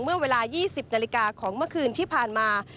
เมื่อเวลา๒๐นาฬิกาของเมื่อคืนที่ผ่านมา